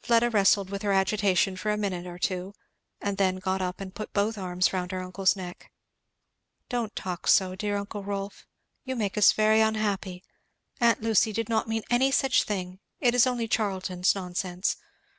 Fleda wrestled with her agitation for a minute or two, and then got up and put both arms round her uncle's neck. "Don't talk so, dear uncle Rolf! you make us very unhappy aunt Lucy did not mean any such thing it is only Charlton's nonsense.